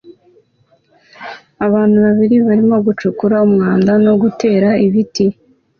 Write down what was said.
Abantu babiri barimo gucukura umwanda no gutera ibiti